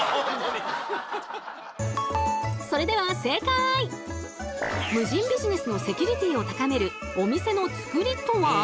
それでは無人ビジネスのセキュリティーを高めるお店のつくりとは？